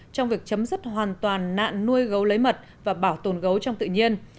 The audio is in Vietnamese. trong việc chấm dứt hoàn toàn nạn nuôi gấu lấy mật và bảo tồn gấu trong tự nhiên